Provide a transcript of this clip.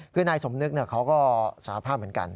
คือนายสมนึกเขาก็สาภาพเหมือนกัน